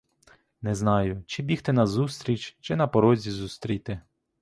Не знаю, чи бігти назустріч, чи на порозі зустріти?